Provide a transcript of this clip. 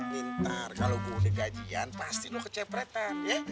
pintar kalau gue udah gajian pasti lo kecepretan ya